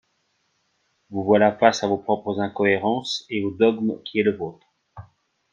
Vous voilà face à vos propres incohérences et au dogme qui est le vôtre.